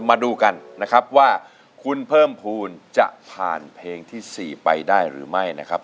มาดูกันนะครับว่าคุณเพิ่มภูมิจะผ่านเพลงที่๔ไปได้หรือไม่นะครับ